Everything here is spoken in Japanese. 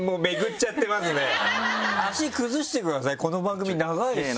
足崩してくださいこの番組長いですよ。